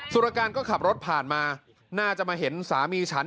สุรการก็ขับรถผ่านมาน่าจะมาเห็นสามีฉัน